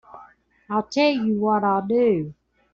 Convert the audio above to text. I'll tell you what I'll do.